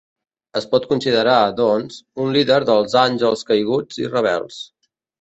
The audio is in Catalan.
Es pot considerar, doncs, un líder dels àngels caiguts i rebels.